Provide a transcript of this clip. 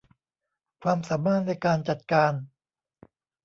ความสามารถในการจัดการ